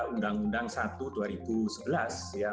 undang undang no satu tahun dua ribu sebelas